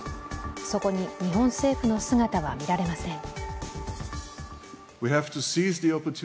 そこに、日本政府の姿は見られません。